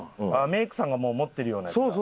メイクさんがもう持ってるようなやつだ。